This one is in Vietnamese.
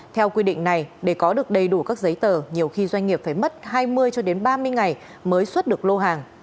theo quy định này để có được đầy đủ các giấy tờ nhiều khi doanh nghiệp phải mất hai mươi ba mươi ngày mới xuất được lô hàng